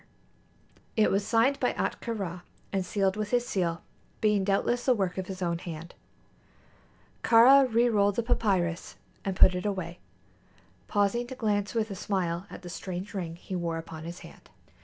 [A] Ethiopia. [B] Egypt. It was signed by Ahtka Rā and sealed with his seal, being doubtless the work of his own hand. Kāra rerolled the papyrus and put it away, pausing to glance with a smile at the strange ring he wore upon his hand.